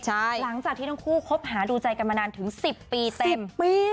หลังจากที่ทั้งคู่คบหาดูใจกันมานานถึง๑๐ปีเต็ม